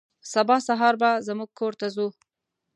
سبا سهار به زموږ کور ته ځو.